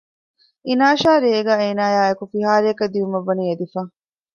އިނާޝާ ރޭގައި އޭނައާއި އެކު ފިހާރަޔަކަށް ދިއުމަށްވަނީ އެދިފަ